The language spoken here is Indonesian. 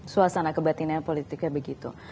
suasana kebatinan politiknya begitu